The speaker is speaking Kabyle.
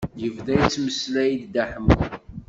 Yebda yettmeslay Dda Ḥemmu.